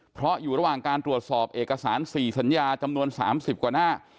เพราะอยู่ระหว่างการตรวจสอบเอกสาร๔สัญญาจำนวน๓๐กว่าหน้า